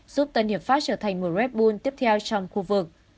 giúp tân hiệp pháp trở thành một red bull tiếp theo trong khu vực